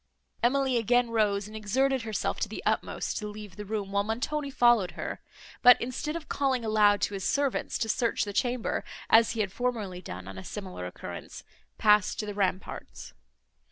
Emily again rose, and exerted herself to the utmost to leave the room, while Montoni followed her; but, instead of calling aloud to his servants to search the chamber, as he had formerly done on a similar occurrence, passed to the ramparts.